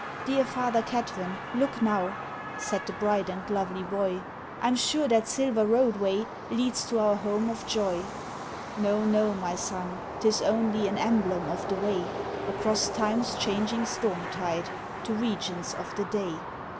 "Dear Father Cadfan, look now," —Said the bright and lovely boy,— "I'm sure that silver roadway Leads to our Home of Joy." "No, no, my Son, t'is only An emblem of the way, Across time's changing storm tide, To regions of the day."